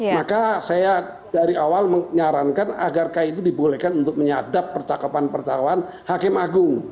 maka saya dari awal menyarankan agar kai itu dibolehkan untuk menyadap percakapan percakapan hakim agung